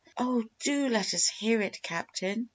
"Oh, do let us hear it, Captain!"